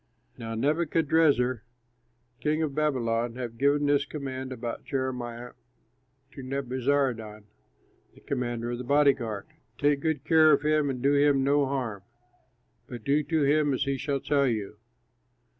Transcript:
Now Nebuchadrezzar, king of Babylon, had given this command about Jeremiah to Nebuzaradan, the commander of the body guard, "Take good care of him, and do him no harm; but do to him as he shall tell you."